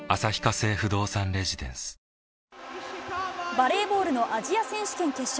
バレーボールのアジア選手権決勝。